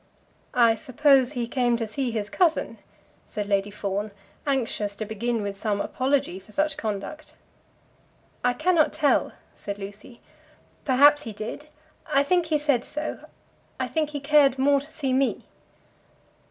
"I suppose he came to see his cousin," said Lady Fawn, anxious to begin with some apology for such conduct. "I cannot tell," said Lucy. "Perhaps he did. I think he said so. I think he cared more to see me."